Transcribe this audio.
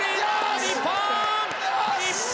日本！